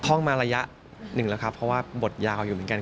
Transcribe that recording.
ท่องมาระยะหนึ่งแล้วครับเพราะว่าบทยาวอยู่เหมือนกัน